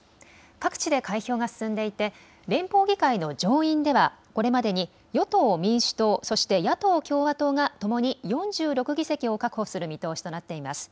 各地で開票が進んでいて連邦議会の上院ではこれまでに与党・民主党、そして野党・共和党がともに４６議席を確保する見通しとなっています。